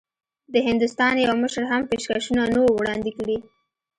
د هندوستان یوه مشر هم پېشکشونه نه وو وړاندي کړي.